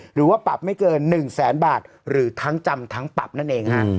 หรือว่าปรับไม่เกิน๑แสนบาทหรือทั้งจำทั้งปรับนั่นเองฮะ